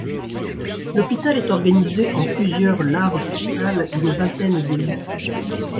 L'hôpital est organisé en plusieurs larges salles d'une vingtaine de lits.